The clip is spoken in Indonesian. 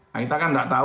nah kita kan nggak tahu